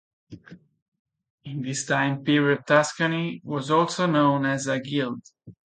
In this time period Tuscany was also known as a "Guild".